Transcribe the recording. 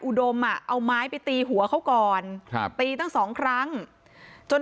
อุดมอ่ะเอาไม้ไปตีหัวเขาก่อนครับตีตั้งสองครั้งจน